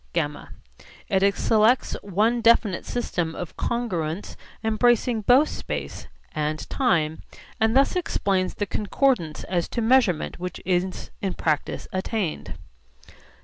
(γ) It selects one definite system of congruence embracing both space and time, and thus explains the concordance as to measurement which is in practice attained.